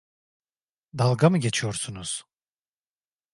Dalga mı geçiyorsunuz?